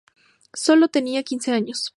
Sólo tenía quince años.